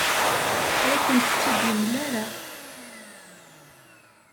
Ur akent-tt-id-yemla ara.